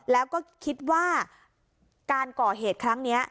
แล้วก็คิดว่าการก่อเหตุครั้งนี้